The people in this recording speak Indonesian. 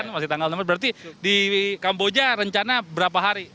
masih tanggal enam berarti di kamboja rencana berapa hari